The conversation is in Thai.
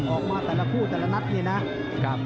ออกมาแต่ละคู่แต่ละนัดนี่นะครับ